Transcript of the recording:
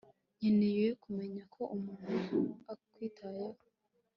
Nkeneye kumenya ko umuntu akwitayeho